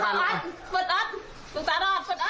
ไปหลัด